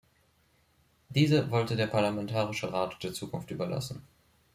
Diese wollte der Parlamentarische Rat der Zukunft überlassen.